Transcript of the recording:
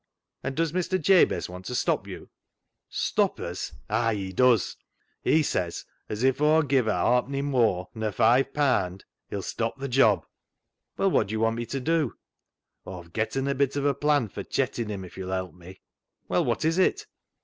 " And does Mr. Jabez want to stop you ?"" Stop us ? Ay, does he. He says as if Aw give a hawpenny mooar nur five paand he'll stop th' job." " Well, what do you want me to do ?"" Aw've getten a bit of a plan fur chettin' him, if yo'll help me." " Well, what is it